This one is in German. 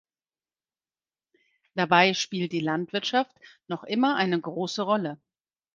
Dabei spielt die Landwirtschaft noch immer eine große Rolle.